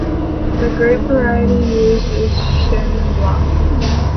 The grape variety used is Chenin blanc.